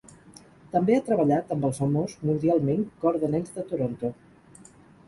També ha treballat amb el famós mundialment Cor de Nens de Toronto.